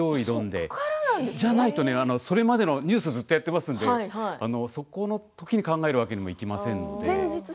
でじゃないと、それまでのニュースをずっとやってますのでそのときに考えれるわけにもいきませんので。